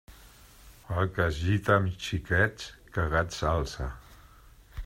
El que es gita amb xiquets, cagat s'alça.